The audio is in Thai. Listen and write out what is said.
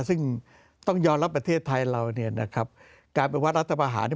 ซึ่งต้องยอดรับประเทศไทยเราเนี่ยนะครับการเป็นวัฒนธรรมหาเนี่ย